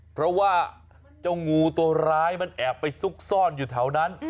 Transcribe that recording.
เพราะว่าเจ้างูตัวร้ายมันแอบไปซุกซ่อนอยู่แถวนั้น